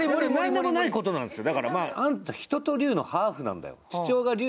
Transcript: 何でもないことなんですよ。